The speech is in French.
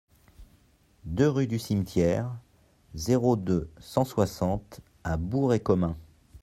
deux rue du Cimetière, zéro deux, cent soixante à Bourg-et-Comin